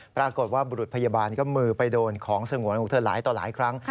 ปรากฏว่าบุรุษพยาบานมือไปเดินของส่งหวนหนังงูหลายต่อหลายครั้ง